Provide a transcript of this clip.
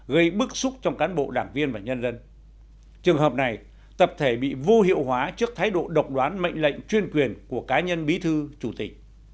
gây bức xúc trong cán bộ đảng viên và nhân dân trường hợp này tập thể bị vô hiệu hóa trước thái độ độc đoán mệnh lệnh chuyên quyền của cá nhân bí thư chủ tịch